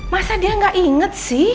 masa dia gak inget sih